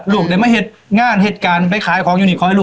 ลูกได้มาเห็นงานเห็นการไปขายของยูนิคอล